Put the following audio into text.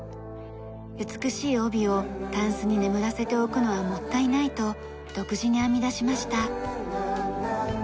美しい帯をたんすに眠らせておくのはもったいないと独自に編み出しました。